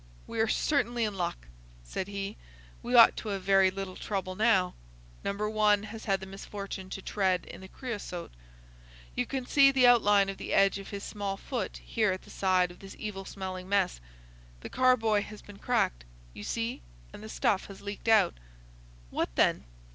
"We are certainly in luck," said he. "We ought to have very little trouble now. Number One has had the misfortune to tread in the creosote. You can see the outline of the edge of his small foot here at the side of this evil smelling mess. The carboy has been cracked, You see, and the stuff has leaked out." "What then?"